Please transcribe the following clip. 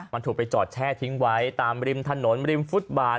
มันถูกไปจอดแช่ทิ้งไว้ตามริมถนนริมฟุตบาท